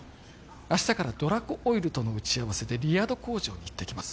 明日からドラコオイルとの打ち合わせでリヤド工場に行ってきます